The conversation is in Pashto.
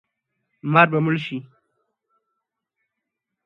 مار به مړ شي